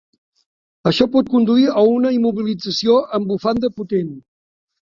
Això pot conduir a una immobilització en bufanda potent.